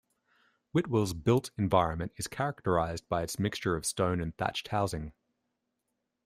Whitwell's built environment is characterised by its mixture of stone and thatched housing.